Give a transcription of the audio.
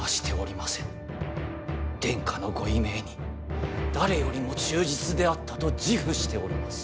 殿下のご遺命に誰よりも忠実であったと自負しております。